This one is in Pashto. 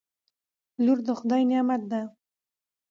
لور دخدای نعمت ده